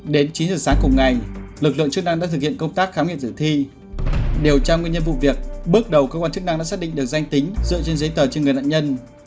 đến chín giờ sáng cùng ngày lực lượng chức năng đã thực hiện công tác khám nghiệm tử thi điều tra nguyên nhân vụ việc bước đầu cơ quan chức năng đã xác định được danh tính dựa trên giấy tờ trên người nạn nhân